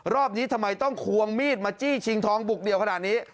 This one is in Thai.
รอบนี้ทำไมต้องควงมีดมาจี้ชิงทองบุกเดี่ยวขนาดนี้